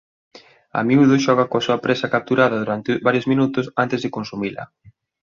A miúdo xoga coa súa presa capturada durante varios minutos antes de consumila.